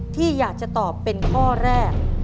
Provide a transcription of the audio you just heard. ที่อยากจะตอบเป็นข้อแรก